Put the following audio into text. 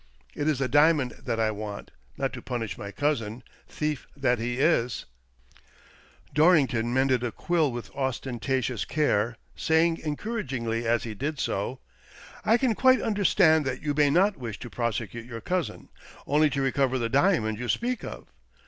It is the diamond that I want — not to punish my cousin — thief that he is !" Dorrington mended a quill with ostentatious care, saying encouragingly as he did so, "I can quite understand that you may not wish to prosecute your cousin — only to recover the diamond you speak of.